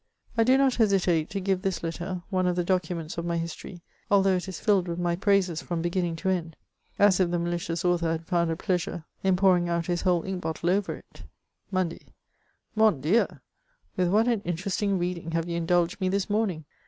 I do not hesitate to give this letter, one of the documents of my history, although it is filled with my praises from beginning to end, as if the malicious author had founds pleasure in pouring out his whole ink bottle over it :" Monday. ^ Mon Dieu ! with what an interesting reading have you indulged me this morning